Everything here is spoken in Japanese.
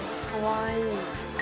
かわいい。